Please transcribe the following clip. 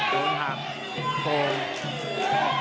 โดนฮับโกรธ